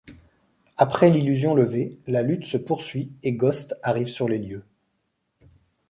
Après l'illusion levée, la lutte se poursuit et Ghost arrive sur les lieux.